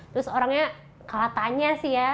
terus orangnya kalah tanya sih ya